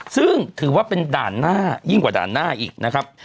ซึ่งถือว่าเป็นด่านหน้ายิ่งกว่าด่านหน้าอีกนะครับ